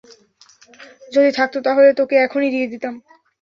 যদি থাকতো, তাহলে তোকে এখনই দিয়ে দিতাম।